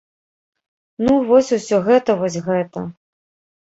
Ну, вось усё гэта вось гэта.